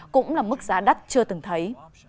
cũng là mức giá đắt chưa từng thấy